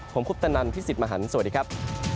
ผมคุปตะนันพี่สิทธิ์มหันฯสวัสดีครับ